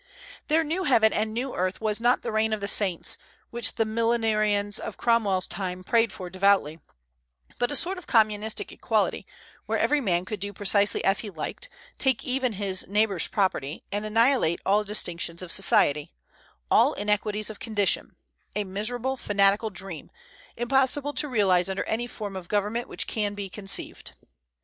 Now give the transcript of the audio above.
Their new heaven and new earth was not the reign of the saints, which the millenarians of Cromwell's time prayed for devoutly, but a sort of communistic equality, where every man could do precisely as he liked, take even his neighbor's property, and annihilate all distinctions of society, all inequalities of condition, a miserable, fanatical dream, impossible to realize under any form of government which can be conceived.